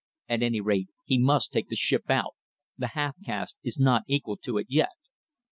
At any rate, he must take the ship out. The half caste is not equal to it as yet."